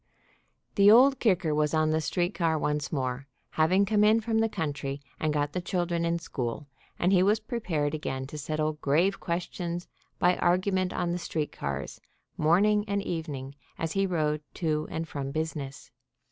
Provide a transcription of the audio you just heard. The Old Kicker was on the street car once more, having come in from the country and got the children in school, and he was prepared again to settle grave questions by argument on the street cars, morning and evening, as he rode to and from business.